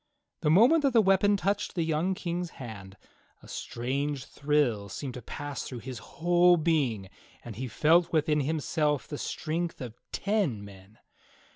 The moment that the weapon touched the young King's hand, a strange thrill seemed to pass through his whole being and he felt within himself the strength of ten men.